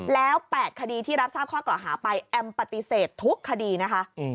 แล้ว๘คดีที่รับทราบข้อกล่าวหาไปแอมปฏิเสธทุกคดีนะคะ